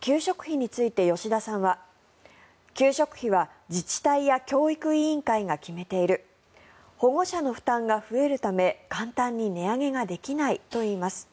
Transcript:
給食費について吉田さんは給食費は自治体や教育委員会が決めている保護者の負担が増えるため簡単に値上げができないといいます。